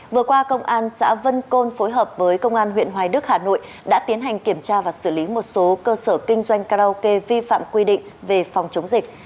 vừa qua công an xã vân côn phối hợp với công an huyện hoài đức hà nội đã tiến hành kiểm tra và xử lý một số cơ sở kinh doanh karaoke vi phạm quy định về phòng chống dịch